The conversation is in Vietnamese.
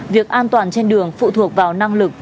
việc an toàn trên đường phụ thuộc vào năng lực